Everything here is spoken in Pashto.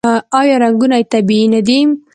آیا رنګونه یې طبیعي نه دي؟